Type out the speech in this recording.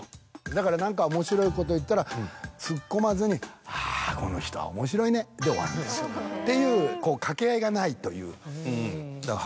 だから何か面白いこと言ったらツッコまずに「あぁこの人は面白いね」で終わるんですよっていう。